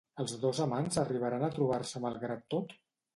Els dos amants arribaran a trobar-se malgrat tot?